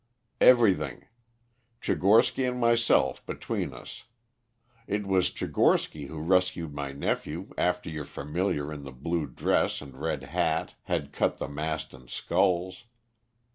"Everything; Tchigorsky and myself between us. It was Tchigorsky who rescued my nephew after your familiar in the blue dress and red hat had cut the mast and sculls.